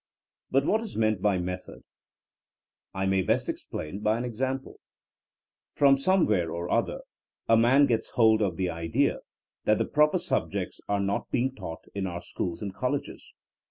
But what is meant by method! I may best explain by an example. From somewhere or other, a man gets hold of the idea that the proper subjects are not be ing taught in our schools and colleges.